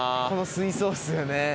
この水槽っすよね。